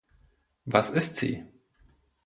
Was ist sie?